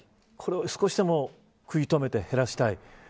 これを少しでも食い止めて減らしたい。